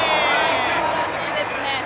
すばらしいですね。